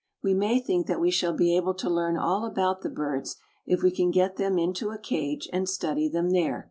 We may think that we shall be able to learn all about the birds if we can get them into a cage and study them there.